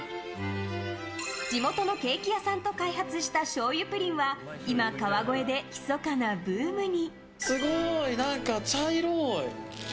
地元のケーキ屋さんと開発した醤油プリンは今、川越で密かなブームに。